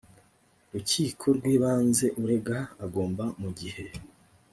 rukiko rw ibanze urega agomba mu gihe